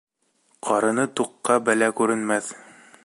Ҡарыны туҡҡа бәлә күренмәҫ.